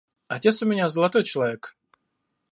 Отец у меня золотой человек.